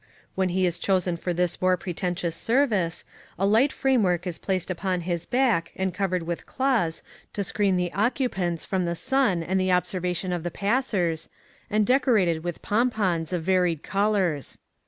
When he is chosen for this more pretentions service, a light framework is placed upon his back and covered with cloths to screen the occupants from the sun and the observation of the passers, and decorated with pompons of varied colors.